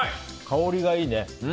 香りがいいね。